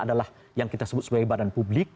adalah yang kita sebut sebagai badan publik